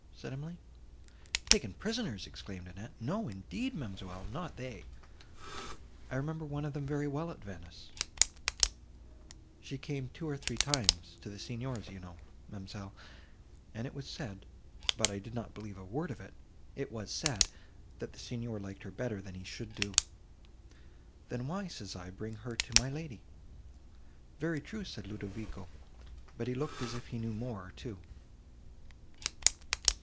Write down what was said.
said Emily. "Taken prisoners!" exclaimed Annette; "no, indeed, ma'amselle, not they. I remember one of them very well at Venice: she came two or three times, to the Signor's you know, ma'amselle, and it was said, but I did not believe a word of it—it was said, that the Signor liked her better than he should do. Then why, says I, bring her to my lady? Very true, said Ludovico; but he looked as if he knew more, too."